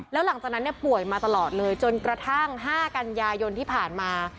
แล้วหลังจากนั้นป่วยมาตลอดเลยจนกระทั่ง๕กันยายนที่ผ่านมา